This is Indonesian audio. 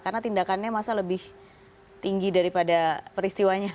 karena tindakannya masa lebih tinggi daripada peristiwanya